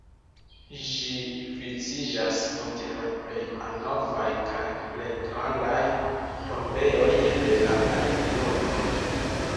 Ĝi viciĝas inter la plej malnovaj kaj plej grandaj tombejoj de la regiono.